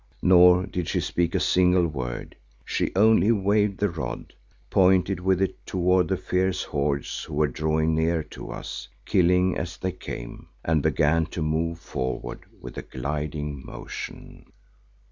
Nor did she speak a single word, she only waved the rod, pointed with it towards the fierce hordes who were drawing near to us, killing as they came, and began to move forward with a gliding motion.